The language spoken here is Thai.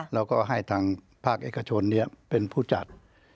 แล้วก็ให้ทางภาคเอกชนเป็นผู้จัด